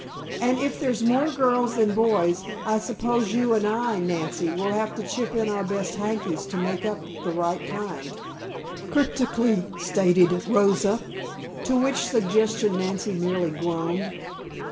"And if there's more girls than boys I suppose you and I, Nancy, will have to chip in our best hankies to make up the right kind," cryptically stated Rosa. To which suggestion Nancy merely groaned.